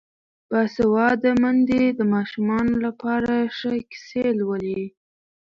باسواده میندې د ماشومانو لپاره ښې کیسې لولي.